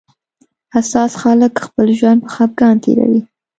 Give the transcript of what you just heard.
حساس خلک خپل ژوند په خپګان تېروي